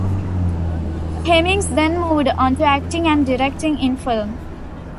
Hemmings then moved on to acting and directing in film.